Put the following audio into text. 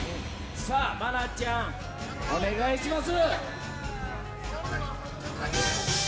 愛菜ちゃん、お願いします。